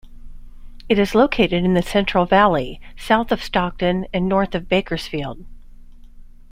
It is located in the Central Valley, south of Stockton and north of Bakersfield.